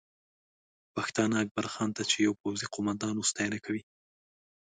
پښتانه اکبرخان ته چې یو پوځي قومندان و، ستاینه کوي